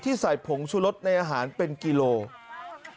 ใส่ผงชุรสในอาหารเป็นกิโลกรัม